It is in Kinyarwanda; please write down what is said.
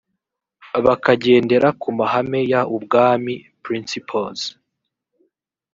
bakagendera ku mahame y ubwami principles